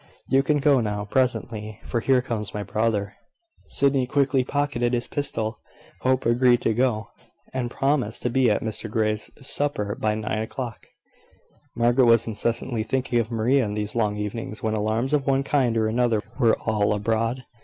You can go now, presently, for here comes my brother." Sydney quickly pocketed his pistol. Hope agreed to go, and promised to be at Mr Grey's to supper by nine o'clock. Margaret was incessantly thinking of Maria in these long evenings, when alarms of one kind or another were all abroad.